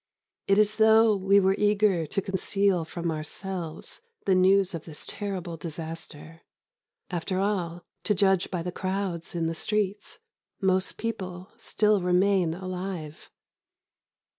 It is as though we were eager to conceal from ourselves the news of this terrible disaster. After all, to judge by the crowds in the streets, most people still remain alive.